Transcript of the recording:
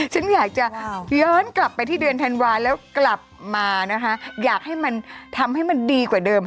ฉันอยากจะย้อนกลับไปที่เดือนธันวาแล้วกลับมานะคะอยากให้มันทำให้มันดีกว่าเดิม